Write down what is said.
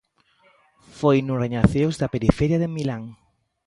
Foi nun rañaceos da periferia de Milán.